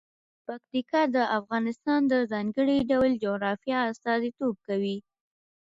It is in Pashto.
پکتیا د افغانستان د ځانګړي ډول جغرافیه استازیتوب کوي.